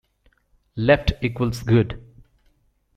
Left equals good.